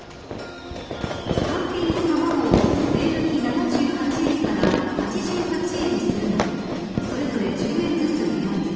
単品の卵を税抜き７８円から８８円にするなど、それぞれ１０円ずつ値上げ。